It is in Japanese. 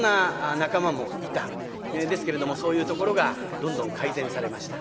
ですけれどもそういうところがどんどん改善されました。